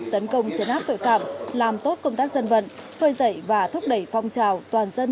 tấn công chấn áp tội phạm làm tốt công tác dân vận phơi dậy và thúc đẩy phong trào toàn dân